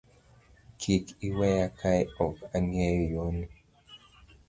Kiki iweya kae ok angeyo yoni.